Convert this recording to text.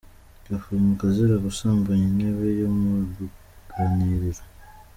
Yafunzwe azira gusambanya intebe yo mu ruganiriro